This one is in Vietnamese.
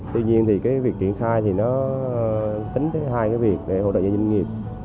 tuy nhiên việc triển khai tính tới hai việc để hỗ trợ doanh nghiệp